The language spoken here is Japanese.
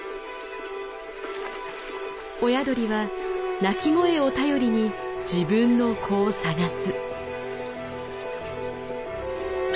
親鳥は鳴き声を頼りに自分の子を探す。